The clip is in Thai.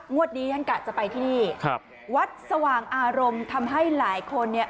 วันนี้ฉันกะจะไปที่นี่ครับวัดสว่างอารมณ์ทำให้หลายคนเนี่ย